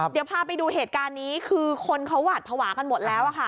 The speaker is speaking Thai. เดี๋ยวพาไปดูเหตุการณ์นี้คือคนเขาหวาดภาวะกันหมดแล้วค่ะ